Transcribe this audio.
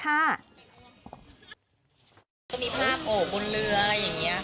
มีภาพโอบนเรืออะไรอย่างนี้